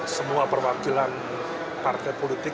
semua perwakilan partai politik